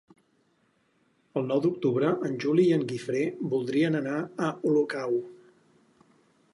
El nou d'octubre en Juli i en Guifré voldrien anar a Olocau.